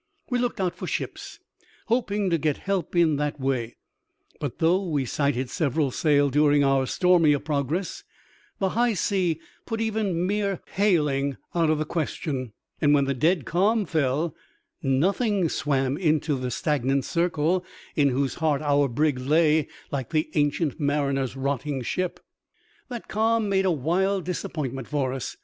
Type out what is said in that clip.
We looked out for ships, hoping to get help in that way; but though we sighted several sail during our stormier progress, the high sea put even mere hailing out of question, and when the dead calm fell, nothing swam into the stagnant circle in whose heart our brig lay like the Ancient Mariner's rotting ship. That calm made a wild disappointment for us.